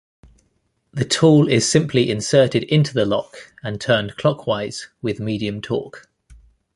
The tool is simply inserted into the lock and turned clockwise with medium torque.